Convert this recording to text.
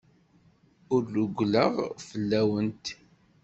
Ur rewwleɣ fell-awent.